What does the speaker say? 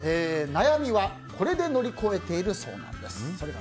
堀田さん、悩みはこれで乗り越えているそうなんです。